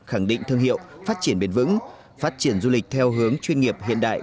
khẳng định thương hiệu phát triển bền vững phát triển du lịch theo hướng chuyên nghiệp hiện đại